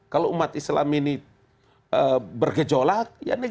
kalau umat islam ini bergejolak ya negatif